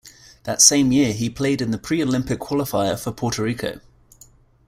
That same year, he played in the Pre-Olympic qualifier for Puerto Rico.